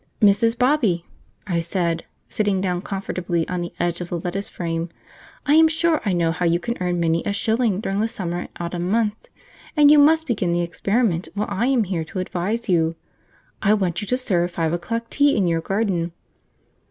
"Mrs. Bobby," I said, sitting down comfortably on the edge of the lettuce frame, "I am sure I know how you can earn many a shilling during the summer and autumn months, and you must begin the experiment while I am here to advise you. I want you to serve five o'clock tea in your garden."